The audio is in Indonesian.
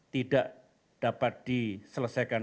tidak dapat diselesaikan